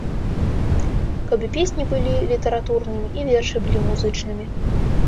Каб і песні былі літаратурнымі, і вершы былі музычнымі.